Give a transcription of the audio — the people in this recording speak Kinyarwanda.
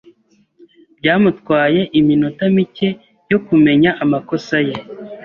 Byamutwaye iminota mike yo kumenya amakosa ye.